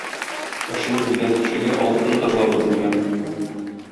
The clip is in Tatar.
Эшен белгән кешегә алтындыр ла бу дөнья